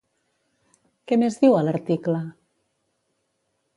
Què més diu a l'article?